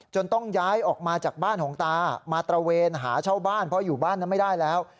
ต้องย้ายออกมาจากบ้านของตามาตระเวนหาเช่าบ้านเพราะอยู่บ้านนั้นไม่ได้แล้ว